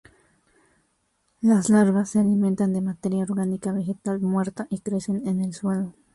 Las larvas se alimentan de materia orgánica vegetal muerta y crecen en el suelo.